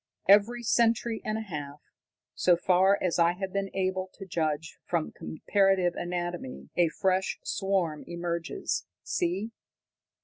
"Every century and a half, so far as I have been able to judge from comparative anatomy, a fresh swarm emerges. See!"